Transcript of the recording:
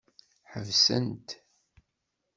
Ḥebsen-t.